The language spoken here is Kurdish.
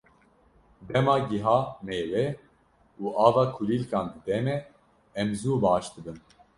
Dema gîha, mêwe û ava kulîlkan dide me, em zû baş dibin.